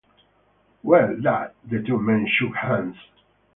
“Well, dad!” The two men shook hands.